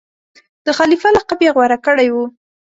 د خلیفه لقب یې غوره کړی وو.